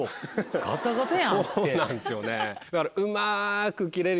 そうなんですよねだから。